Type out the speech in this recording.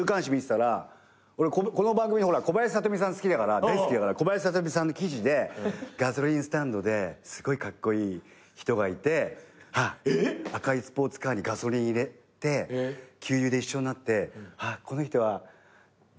俺この番組の小林聡美さん大好きだから小林聡美さんの記事でガソリンスタンドですごいカッコイイ人がいて赤いスポーツカーにガソリン入れて給油で一緒になってこの人はジャッジマンだ。